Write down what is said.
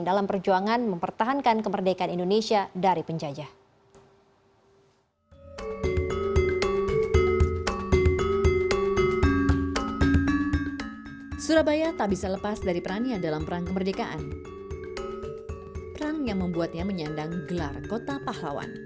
dalam perjuangan mempertahankan kemerdekaan indonesia dari penjajah